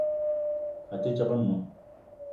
A te djegue meng.